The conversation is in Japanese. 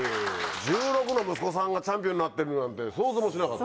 １６の息子さんがチャンピオンになってるなんて想像もしなかった。